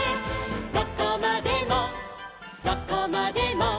「どこまでもどこまでも」